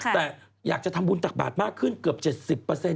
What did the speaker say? แต่อยากจะทำบุญจักรบาดมากขึ้นเกือบ๗๐นะครับ